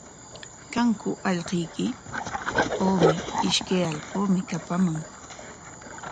¿Kanku allquyki? Awmi, ishkay allquumi kapaman.